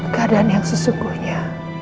keadaan yang sesungguhnya